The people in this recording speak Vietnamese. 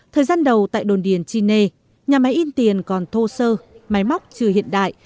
thời gian đầu tại đồn điền chi nê nhà máy in tiền còn thô sơ máy móc chưa hiện đại